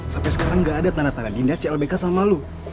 sampe sekarang gak ada tanah tanah dinda clbk sama lo